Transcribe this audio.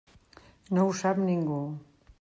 No ho sap ningú.